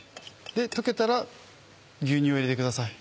溶けたら牛乳を入れてください。